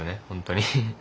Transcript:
本当に。